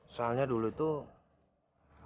soalnya dulu tuh